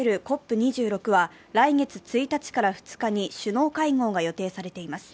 ２６は来月１日から２日に首脳会合が予定されています。